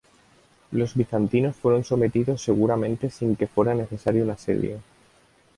Los bizantinos fueron sometidos seguramente sin que fuera necesario un asedio.